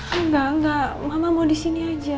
enggak enggak mama mau disini aja